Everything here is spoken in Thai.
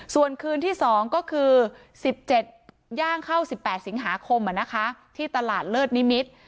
ส่วนคืนที่๒ก็คือ๑๗ย่างเข้า๑๘สิงหาคมที่ตลาดเลิศนิมิตร